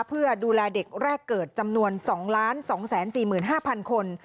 เพื่อดูแลเด็กแรกเกิดจำนวน๒๒๔๕๐๐คน